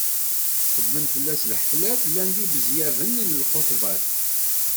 Xedmen fell-as lḥeflat, llin ibezyaben i lxuṭbat.